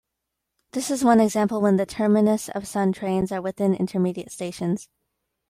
This is one example when the "terminus" of some trains are within intermediate stations.